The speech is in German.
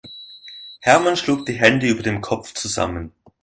Hermann schlug die Hände über dem Kopf zusammen.